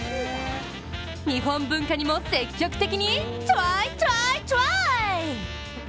日本文化にも積極的にトライトライトライ！